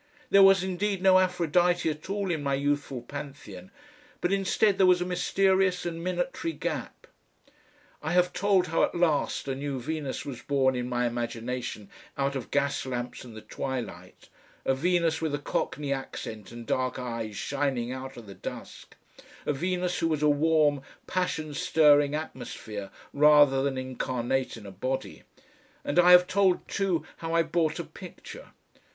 There was indeed no Aphrodite at all in my youthful Pantheon, but instead there was a mysterious and minatory gap. I have told how at last a new Venus was born in my imagination out of gas lamps and the twilight, a Venus with a cockney accent and dark eyes shining out of the dusk, a Venus who was a warm, passion stirring atmosphere rather than incarnate in a body. And I have told, too, how I bought a picture.